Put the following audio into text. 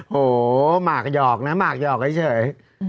โหมากหยอกนะหมากหยอกเฉย